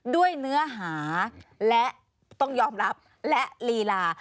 ด้วยเนื้อหาและต้องยอมรับและลีลา